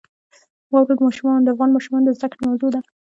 واوره د افغان ماشومانو د زده کړې موضوع ده.